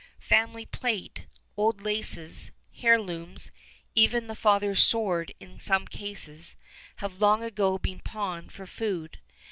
Family plate, old laces, heirlooms, even the father's sword in some cases, have long ago been pawned for food.